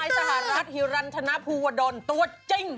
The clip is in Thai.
สหรัฐฮิรันธนภูวดลตัวจริง